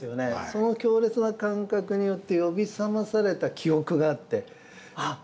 その強烈な感覚によって呼び覚まされた記憶があってあっ